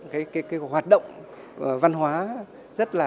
cái hoạt động văn hóa rất là